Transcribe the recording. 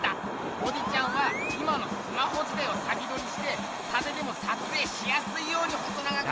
モディちゃんは今のスマホ時代を先どりしてたてでもさつえいしやすいように細長くした。